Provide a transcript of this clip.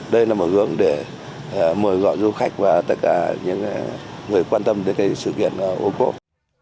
đây là một hướng để mời gọi du khách và tất cả những người quan tâm đến sự kiện ô cốp